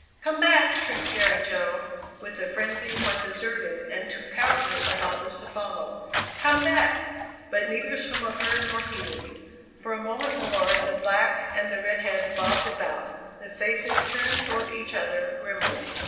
"Come back!" shrieked Jerry Jo with the frenzy of one deserted and too cowardly or helpless to follow: "Come back!" But neither swimmer heard nor heeded. For a moment more the black and the red heads bobbed about, the faces turned toward each other grimly.